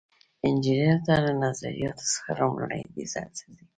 انجینر له نظریاتو څخه لومړني ډیزاین ته ځي.